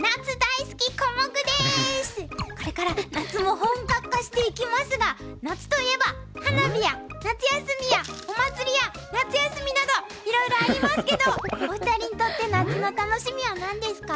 これから夏も本格化していきますが夏といえば花火や夏休みやお祭りや夏休みなどいろいろありますけどお二人にとって夏の楽しみは何ですか？